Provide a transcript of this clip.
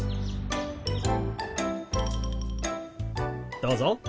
どうぞ。